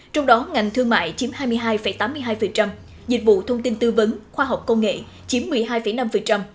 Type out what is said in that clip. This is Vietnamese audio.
trong đó ngành thương mại chiếm hai mươi hai tám mươi hai dịch vụ thông tin tư vấn khoa học công nghệ chiếm một mươi hai năm